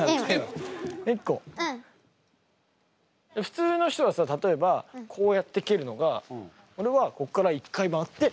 普通の人はさ例えばこうやって蹴るのがおれはこっから１回回って。